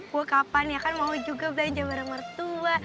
gue kapan ya kan mau juga belanja barang mertua